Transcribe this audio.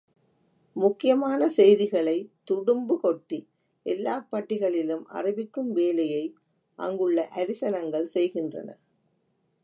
முக்கியமான செய்திகளைத் துடும்பு கொட்டி எல்லாப் பட்டிகளிலும் அறிவிக்கும் வேலையை அங்குள்ள அரிசனங்கள் செய்கின்றனர்.